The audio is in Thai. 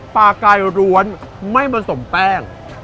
ปลากายร้วนไม่ผสมแป้ง